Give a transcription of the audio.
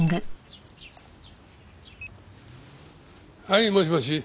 はいもしもし。